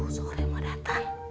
aduh sore mau datang